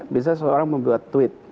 biasanya seorang membuat tweet